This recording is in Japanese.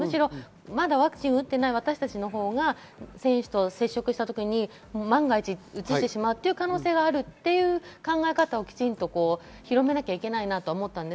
まだワクチンを打っていない私たちのほうが選手と接触したときに万が一、うつしてしまう可能性があるという考え方を広めなきゃいけないと思いました。